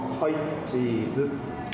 チーズ。